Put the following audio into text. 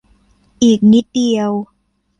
อีกนิดเดียว